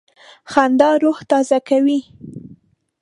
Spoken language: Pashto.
خندا روح تازه کوي.